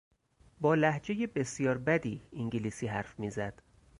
با لهجهی بسیار بدی انگلیسی حرف میزد.